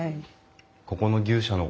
ここの牛舎の。